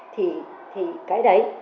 thì cái đấy